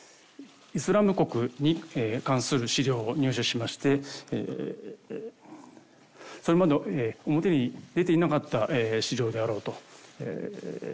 イスラム国に関する資料を入手しましてそれまで表に出ていなかった資料であろうと。